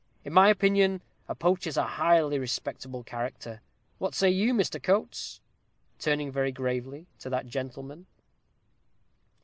In my opinion, a poacher's a highly respectable character. What say you, Mr. Coates?" turning very gravely to that gentleman.